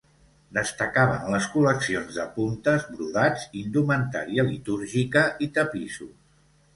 Destacaven les col·leccions de puntes, brodats, indumentària litúrgica i tapissos.